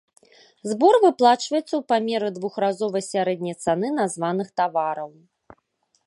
Збор выплачваецца ў памеры двухразовай сярэдняй цаны названых тавараў.